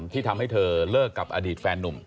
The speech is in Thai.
ที่ทำให้เธอเลิกกับอดีตแฟนนุ่ม